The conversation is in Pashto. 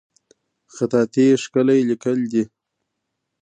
خطاطي ښکلی لیکل دي